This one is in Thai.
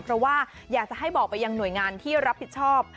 เพราะว่าอยากจะให้บอกไปยังหน่วยงานที่รับผิดชอบ